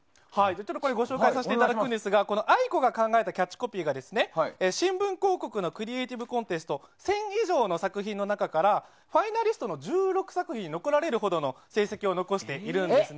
ご紹介させていただくんですがＡＩＣＯが考えたキャッチコピーが新聞広告のクリエーティブコンテストの１０００以上の作品の中からファイナリスト１６作品に残られるほどの成績を残しているんです。